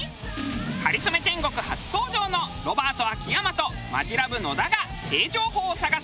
『かりそめ天国』初登場のロバート秋山とマヂラブ野田がへぇ情報を探す